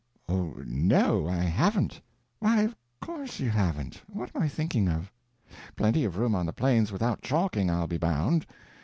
"Oh, no, I haven't." "Why, of course you haven't—what am I thinking of? Plenty of room on the Plains without chalking, I'll be bound.